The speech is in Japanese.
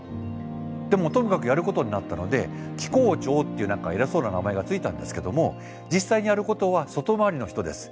でもともかくやることになったので機構長っていう何か偉そうな名前が付いたんですけども実際にやることは外回りの人です。